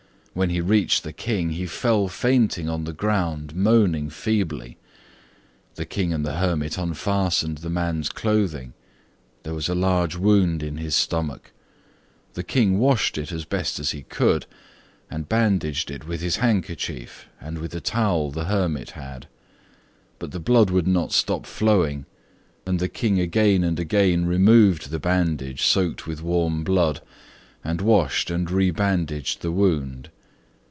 When he reached the King, he fell fainting on the ground moaning feebly. The King and the hermit unfastened the man's clothing. There was a large wound in his stomach. The King washed it as best he could, and bandaged it with his handkerchief and with a towel the hermit had. But the blood would not stop flowing, and the King again and again removed the bandage soaked with warm blood, and washed and rebandaged the wound.